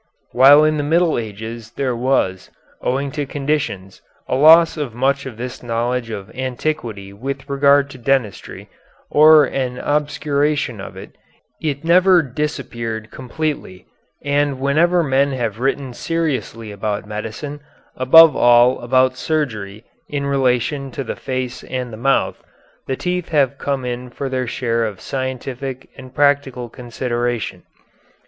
While in the Middle Ages there was, owing to conditions, a loss of much of this knowledge of antiquity with regard to dentistry, or an obscuration of it, it never disappeared completely, and whenever men have written seriously about medicine, above all about surgery in relation to the face and the mouth, the teeth have come in for their share of scientific and practical consideration.